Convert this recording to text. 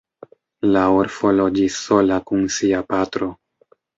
La orfo loĝis sola kun sia patro.